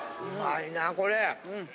うまいなこれ。